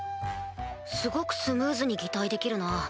すごくスムーズに擬態できるな。